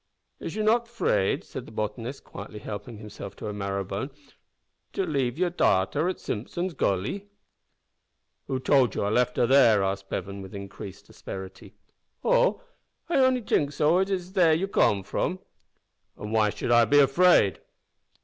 "Is you not 'fraid," said the botanist, quietly helping himself to a marrow bone, "to leave you's darter at Simpson's Gully?" "Who told you I left her there?" asked Bevan, with increasing asperity. "Oh! I only t'ink so, as you's come from dere." "An' why should I be afraid?"